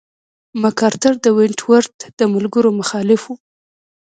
مک ارتر د ونټ ورت د ملګرو مخالف و.